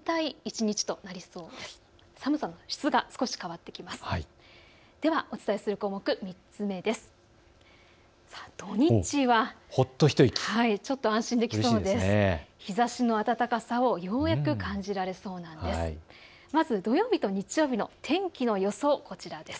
日ざしの暖かさをようやく感じられそうです。